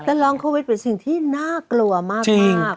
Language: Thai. ร้องโควิดเป็นสิ่งที่น่ากลัวมาก